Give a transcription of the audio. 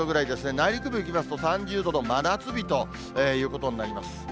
内陸部行きますと３０度の真夏日ということになります。